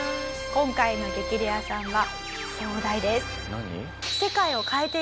今回の激レアさんは。